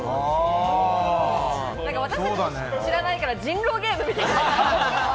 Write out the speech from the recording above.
私たちも知らないから、人狼ゲームみたい。